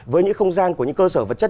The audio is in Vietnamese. với những không gian của những cơ sở vật chất